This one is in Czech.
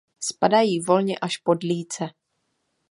Spadají volně až pod líce.